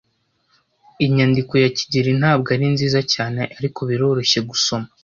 Inyandiko ya kigeli ntabwo ari nziza cyane, ariko biroroshye gusoma.